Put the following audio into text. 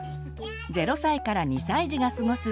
０歳から２歳児が過ごす